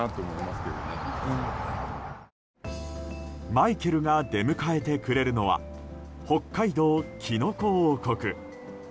マイケルが出迎えてくれるのは北海道きのこ王国。